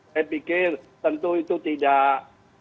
saya pikir tentu itu tidak